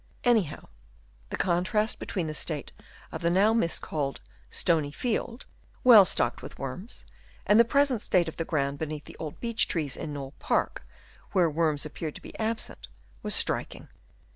Anyhow the con trast between the state of the now miscalled " stony field," well stocked with worms, and the present state of the ground beneath the old beech trees in Knole Park, where worms appeared to be absent, was striking.